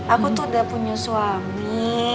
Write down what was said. aku tuh udah punya suami